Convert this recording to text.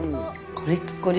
コリッコリ。